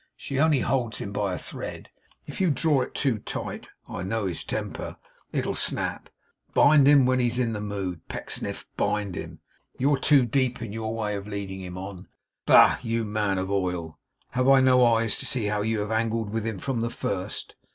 She only holds him by a thread; and if you draw it too tight (I know his temper) it'll snap. Bind him when he's in the mood, Pecksniff; bind him. You're too deep. In your way of leading him on, you'll leave him miles behind. Bah, you man of oil, have I no eyes to see how you have angled with him from the first?